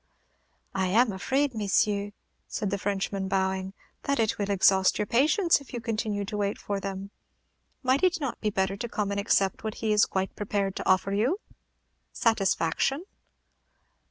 "I am afraid, messieurs," said the Frenchman, bowing, "that it will exhaust your patience if you continue to wait for them. Might it not be better to come and accept what he is quite prepared to offer you, satisfaction?"